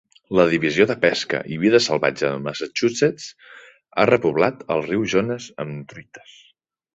La divisió de pesca i vida salvatge de Massachusetts ha repoblat el riu Jones amb truites.